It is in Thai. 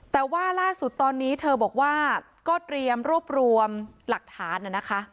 แต่ว่าล่าสุดตอนนี้เธอบอกว่าก็เตรียมรวบรวมหลักฐานนะคะ